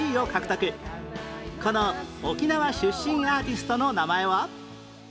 この沖縄出身アーティストの名前は？